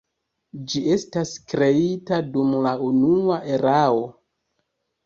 Ĝi estas kreita dum la Unua Erao.